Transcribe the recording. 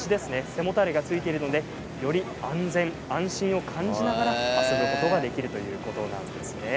背もたれがついているのでより安全安心を感じながら遊ぶことができるということなんです。